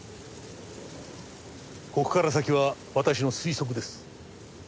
ここから先は私の推測です。